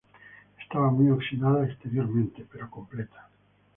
Estaba muy oxidada exteriormente, pero completa.